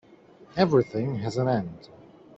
Everything has an end.